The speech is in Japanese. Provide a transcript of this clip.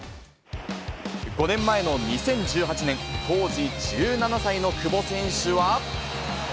５年前の２０１８年、当時１７歳の久保選手は。